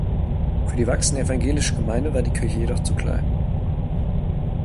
Für die wachsende evangelische Gemeinde war die Kirche jedoch zu klein.